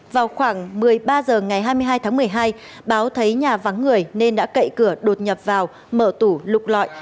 vào khoảng một mươi ba h ngày hai mươi hai tháng một mươi hai báo thấy nhà vắng người nên đã cậy cửa đột nhập vào mở tủ lục lọi